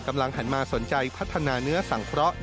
หันมาสนใจพัฒนาเนื้อสังเคราะห์